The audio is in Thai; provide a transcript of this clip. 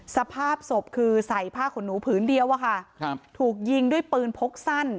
สภาพศพคือใส่ผ้าขนหนูผืนเดียวอะค่ะครับถูกยิงด้วยปืนพกสั้น